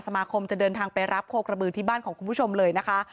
สมาคมจะเดินทางไปรับโคกระบือที่บ้านของคุณผู้ชมเลยนะคะ